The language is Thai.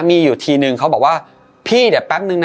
มีอยู่ทีนึงเขาบอกว่าพี่เดี๋ยวแป๊บนึงนะ